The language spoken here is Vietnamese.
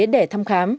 để thăm khám